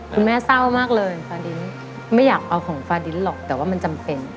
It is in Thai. เศร้ามากเลยฟาดินไม่อยากเอาของฟาดินหรอกแต่ว่ามันจำเป็น